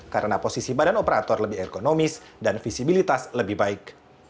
karena posisi badan operator lebih ekonomis dan visibilitas lebih baik